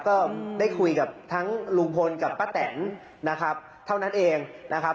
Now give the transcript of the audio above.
ก็ได้คุยกับทั้งลุงพลกับป้าแตนนะครับเท่านั้นเองนะครับ